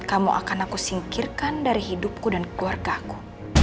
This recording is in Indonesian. kamu akan aku singkirkan dari hidupku dan keluarga aku